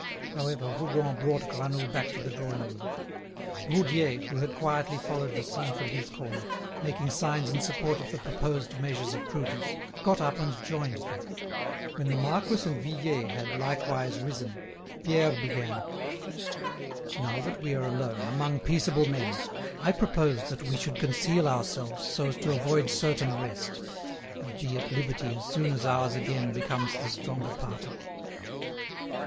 However, Rougon brought Granoux back to the drawing room. Roudier, who had quietly followed the scene from his corner, making signs in support of the proposed measures of prudence, got up and joined them. When the marquis and Vuillet had likewise risen, Pierre began: "Now that we are alone, among peaceable men, I propose that we should conceal ourselves so as to avoid certain arrest, and be at liberty as soon as ours again becomes the stronger party."